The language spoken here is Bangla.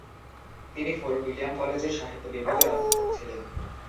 তিনি ফোর্ট উইলিয়াম কলেজের সাহিত্য বিভাগের অধ্যাপক ছিলেন।